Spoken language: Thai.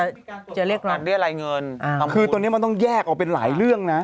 จะเรียกรับเรียกรายเงินคือตอนนี้มันต้องแยกออกเป็นหลายเรื่องนะ